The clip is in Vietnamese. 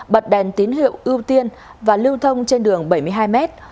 bật đèn tín hiệu ưu tiên và lưu thông trên đường bảy mươi hai mét